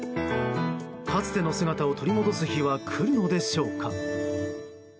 かつての姿を取り戻す日は来るのでしょうか。